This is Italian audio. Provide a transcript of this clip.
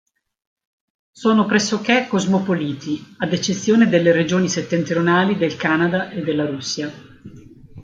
Sono pressoché cosmopoliti, ad eccezione delle regioni settentrionali del Canada e della Russia.